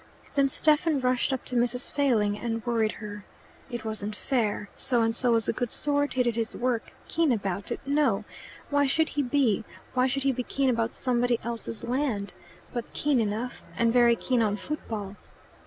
Then Stephen rushed up to Mrs. Failing and worried her. "It wasn't fair. So and so was a good sort. He did his work. Keen about it? No. Why should he be? Why should he be keen about somebody else's land? But keen enough. And very keen on football."